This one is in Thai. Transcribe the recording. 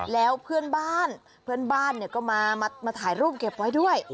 แล้วเพื่อนบ้านเพื่อนบ้านก็มาถ่ายรูปเก็บไว้ด้วย